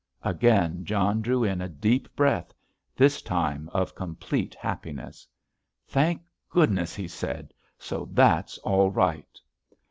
Again John drew in a deep breath, this time of complete happiness. "Thank goodness," he said—"so that's all right!"